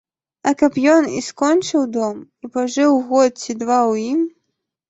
А каб ён і скончыў дом, і пажыў год ці два ў ім.